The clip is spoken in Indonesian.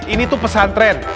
ini tuh pesantren